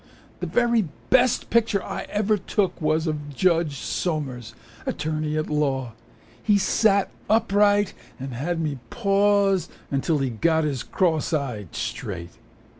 The very best picture I ever took Was of Judge Somers, attorney at law. He sat upright and had me pause Till he got his cross eye straight.